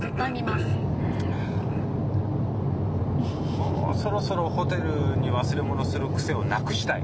もうそろそろホテルに忘れ物する癖をなくしたい。